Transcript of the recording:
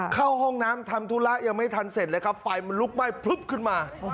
เข้าห้องน้ำทำธุระยังไม่ทันเสร็จเลยครับไฟมันลุกไหม้พลึบขึ้นมา